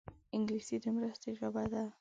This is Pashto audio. انګلیسي د مرستې ژبه ده